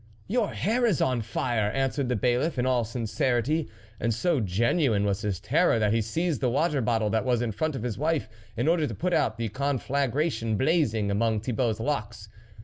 " Your hair is on fire," answered the Bailiff, in all sincerity ; and so genuine was his terror, that he seized the water Dottle that was in front of his wife in order to put out the conflagration blazing among Thibault's locks.